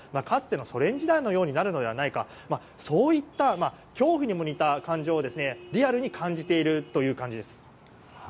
かつてのソ連時代のようになるのではないかといった恐怖にも似た感情をリアルに感じているという感じです。